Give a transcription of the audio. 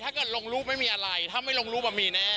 ท่าอุปสรรค์ลองรูปเป็นไม่อะไรท่ามันลองจะมีแล้ว